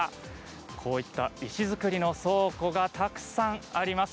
こういった石造りの倉庫がたくさんあります。